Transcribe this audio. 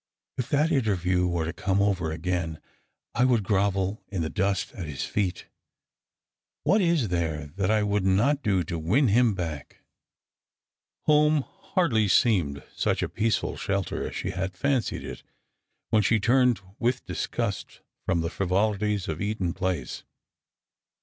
If that interview were to come over again I would grovel in the dust at his feet. What is there that 1 would nol do to win him back ?" Home hardly seemed such a peaceful shelter as she had fancied it when she turned with disgust from the frivolities of Eaton place.